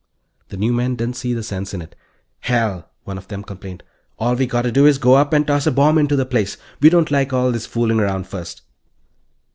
The new men didn't see the sense in it. "Hell," one of them complained, "all we got to do is go up and toss a bomb into the place. We don't like all this fooling around first."